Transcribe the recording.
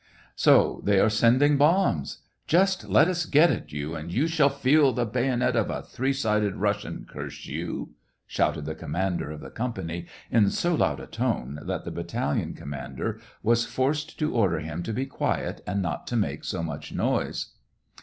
*' So they are sending bombs !... Just let us get at you, and you shall feel the bayonet of a three sided Russian, curse you!" shouted the commander of the company, in so loud a tone that the battalion commander was forced to order him to be quiet and not to make so much noise.